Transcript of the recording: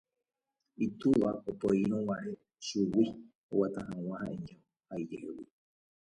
itúva opoírõguare chugui oguata hag̃ua ha'eño ha ijehegui